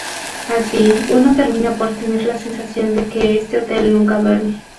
Así, uno termina por tener la sensación de que este hotel nunca duerme.